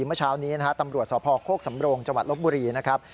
เมื่อเช้านี้นะฮะตำรวจสพโคกสำโรงจังหวัดลบบุรีนะครับ